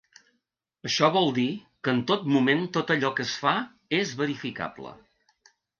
Això vol dir que en tot moment tot allò que es fa és verificable.